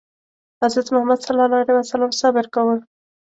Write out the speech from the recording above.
حضرت محمد ﷺ صبر کاوه.